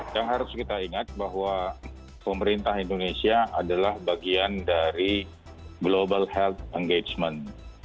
yang harus kita ingat bahwa pemerintah indonesia adalah bagian dari global health engagement